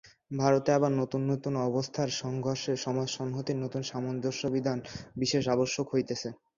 ভারতে আবার নূতন নূতন অবস্থার সংঘর্ষে সমাজ-সংহতির নূতন সামঞ্জস্যবিধান বিশেষ আবশ্যক হইতেছে।